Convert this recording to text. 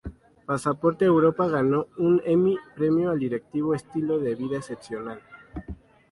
Pasaporte a Europa ganó un Emmy premio al "Directivo Estilo de vida excepcional.